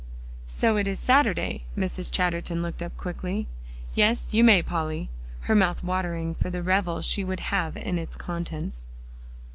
"So it is Saturday." Mrs. Chatterton looked up quickly. "Yes, you may, Polly," her mouth watering for the revel she would have in its contents.